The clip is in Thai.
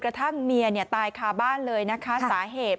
กระทั่งเมียตายคาบ้านเลยนะคะสาเหตุ